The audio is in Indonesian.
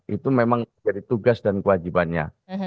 itu memang jadi tugas dan kewajibannya